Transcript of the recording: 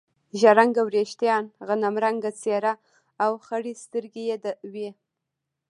ژړ رنګه وریښتان، غنم رنګه څېره او خړې سترګې یې وې.